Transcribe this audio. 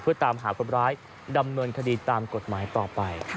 เพื่อตามหาคนร้ายดำเนินคดีตามกฎหมายต่อไป